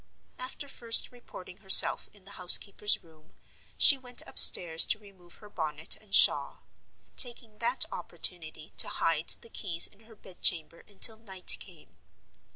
After first reporting herself in the housekeeper's room, she went upstairs to remove her bonnet and shawl; taking that opportunity to hide the keys in her bed chamber until night came.